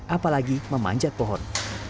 apalagi memanjat pohon